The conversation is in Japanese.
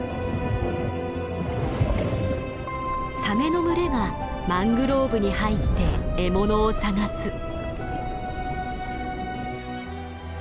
サメの群れがマングローブに入って獲物を探す。